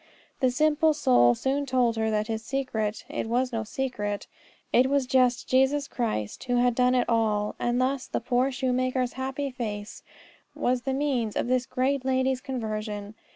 The simple soul soon told her his secret; it was no secret: it was just Jesus Christ who had done it all. And thus her poor shoemaker's happy face was the means of this great lady's conversion.